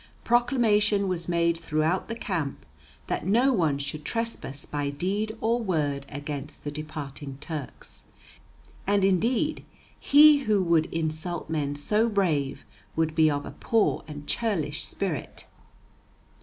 Proclamation was made throughout the camp that no one should trespass by deed or word against the departing Turks. And, indeed, he who would insult men so brave would be of a poor and churlish spirit.